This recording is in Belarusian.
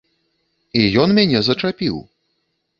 І ён мяне зачапіў.